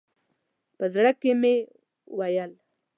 په زړه کې مې ویل.